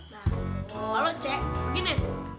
nah kalau c begini